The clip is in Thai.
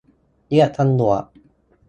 เรียกตำรวจ